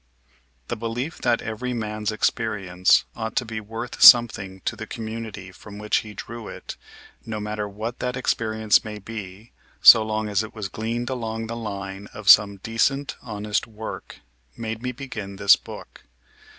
The belief that every man's experience ought to be worth something to the community from which he iji'ew it, no matter wliat that experience may be, so long as it was gleaned along the line of some decent, honest work, iriade me begin this book.